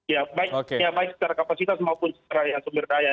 ya baik secara kapasitas maupun secara sumber daya